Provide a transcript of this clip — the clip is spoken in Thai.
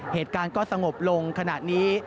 เหตุการณ์ก็สงบลงขณะนี้